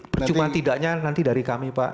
percuma tidaknya nanti dari kami pak